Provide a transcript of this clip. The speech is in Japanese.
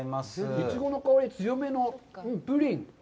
イチゴの香り強めのプリン。